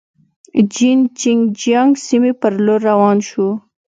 جین چنګ جیانګ سیمې پر لور روان شوو.